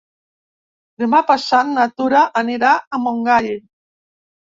Demà passat na Tura anirà a Montgai.